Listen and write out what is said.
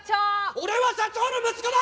俺は社長の息子だ！